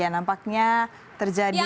nampaknya terjadi